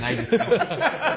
ハハハハ。